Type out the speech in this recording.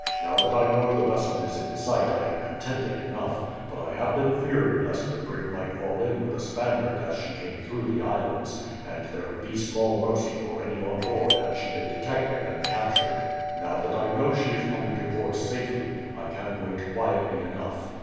"Now that I know the vessel is in sight I am contented enough; but I have been fearing lest the brig might fall in with a Spaniard as she came through the islands, and there would be small mercy for any on board had she been detected and captured. Now that I know she is coming to port safely, I can wait quietly enough.